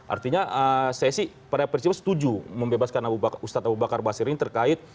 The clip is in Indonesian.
artinya saya sih pada prinsipnya setuju membebaskan ustadz abu bakar basir ini terkait